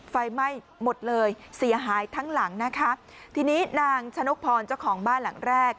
ไฟไหม้หมดเลยเสียหายทั้งหลังนะคะทีนี้นางชะนกพรเจ้าของบ้านหลังแรก